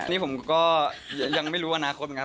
นี่ผมก็ยังไม่รู้อนาคตยังไง